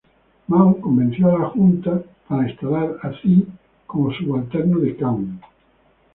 Mau convenció a la junta para instalar a Thi como subalterno de Khanh.